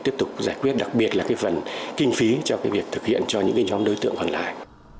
tiếp tục giải quyết đặc biệt là phần kinh phí cho việc thực hiện cho những nhóm đối tượng còn lại